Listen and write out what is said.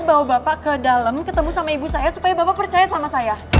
bawa bapak ke dalam ketemu sama ibu saya supaya bapak percaya sama saya